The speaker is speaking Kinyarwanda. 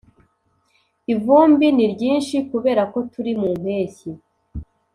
Ivumbi niryinshi kubera ko turi mumpeshyi